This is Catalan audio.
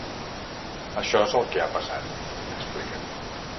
Això és el que ha passat, expliquen.